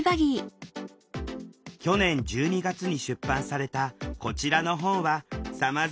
去年１２月に出版されたこちらの本はさまざまな形で展開。